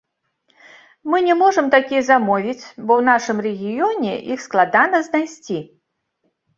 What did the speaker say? Мы не можам такія замовіць, бо ў нашым рэгіёне іх складана знайсці.